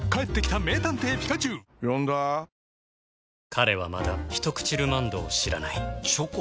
彼はまだ「ひとくちルマンド」を知らないチョコ？